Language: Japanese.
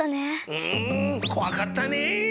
うんこわかったね。